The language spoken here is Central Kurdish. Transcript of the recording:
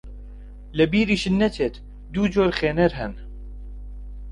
لە بیریشت نەچێت دوو جۆر خوێنەر هەن